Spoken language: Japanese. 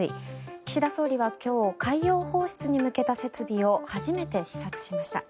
岸田総理は今日海洋放出に向けた設備を初めて視察しました。